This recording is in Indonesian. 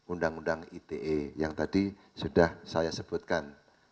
undang undang ite yang tadi sudah saya sebutkan